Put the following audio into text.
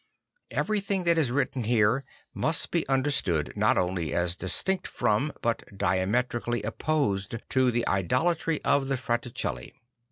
Everything that is written here must be understood not only as distinct from but diametrically opposed to the idolatry of the Fraticelli.